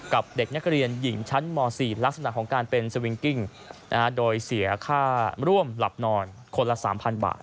เด็กนักเรียนหญิงชั้นม๔ลักษณะของการเป็นสวิงกิ้งโดยเสียค่าร่วมหลับนอนคนละ๓๐๐บาท